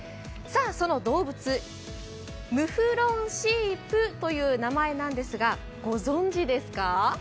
その動物、ムフロンシープという名前なんですが、ご存じですか？